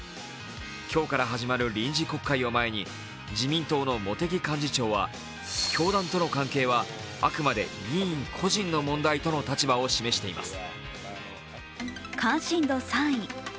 今日から始まる臨時国会を前に自民党の茂木幹事長は教団との関係はあくまで議員個人の問題との立場を示しています。